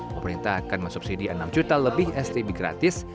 pemerintah akan mensubsidi enam juta lebih stb gratis